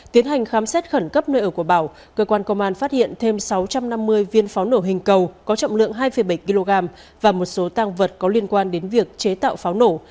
tiến hành khám xét khẩn cấp nơi ở của bảo cơ quan công an phát hiện thêm sáu trăm năm mươi viên pháo nổ hình cầu có trọng lượng hai bảy kg và một số tăng vật có liên quan đến việc chế tạo pháo nổ